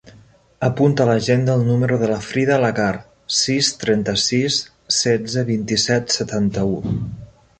Apunta a l'agenda el número de la Frida Lagar: sis, trenta-sis, setze, vint-i-set, setanta-u.